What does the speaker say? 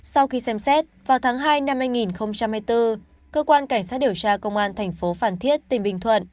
sau khi xem xét vào tháng hai năm hai nghìn hai mươi bốn cơ quan cảnh sát điều tra công an tp phản thiết tỉnh bình thuận